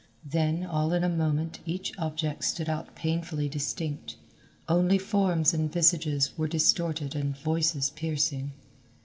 Then, all in a moment each object stood out painfully distinct, only forms and visages were distorted and voices piercing.